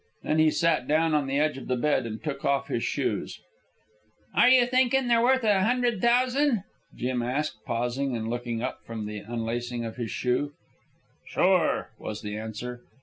Then he sat down on the edge of the bed and took off his shoes. "An' you think they're worth a hundred thousan'?" Jim asked, pausing and looking up from the unlacing of his shoe. "Sure," was the answer.